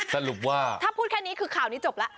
สรุปว่าถ้าพูดแค่นี้คือข่าวนี้จบแล้ว